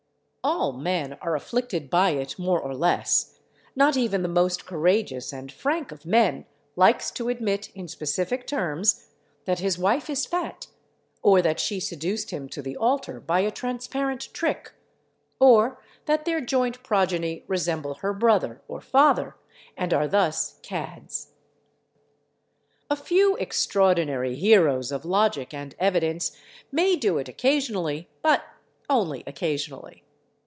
All men are afflicted by it more or less; not even the most courageous and frank of men likes to admit, in specific terms, that his wife is fat, or that she seduced him to the altar by a transparent trick, or that their joint progeny resemble her brother or father, and are thus cads. A few extraordinary heroes of logic and evidence may do it occasionally, but only occasionally.